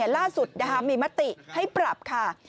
ล่าสุดมีมติให้ปรับค่ะ